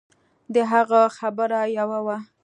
د هغه خبره يوه وه.